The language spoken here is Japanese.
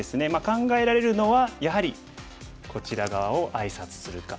考えられるのはやはりこちら側をあいさつするか。